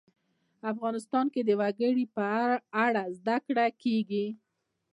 افغانستان کې د وګړي په اړه زده کړه کېږي.